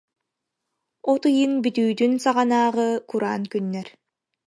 От ыйын бүтүүтүн саҕанааҕы кураан күннэр